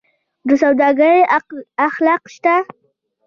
د سوداګرۍ اخلاق شته؟